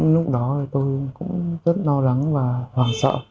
lúc đó thì tôi cũng rất lo lắng và hoảng sợ